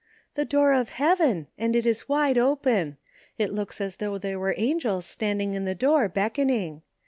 "The door of Heaven, and it is wide open ; it looks as though there were angels standing in the door beckon ing.